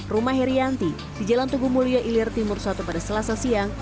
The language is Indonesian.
rumah herianti di jalan tugu mulya ilir timur satu pada selasa siang